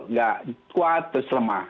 nggak kuat terus lemah